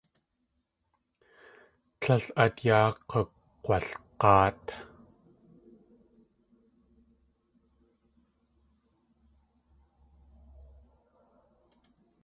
Tlél át yaa k̲ukg̲walg̲áat.